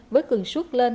với cường suốt lên